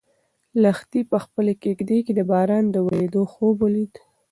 لښتې په خپلې کيږدۍ کې د باران د ورېدو خوب ولید.